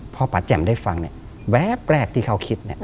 พ่อป่าแจ่มได้ฟังเนี่ยแวะแปลกที่เขาคิดเนี่ย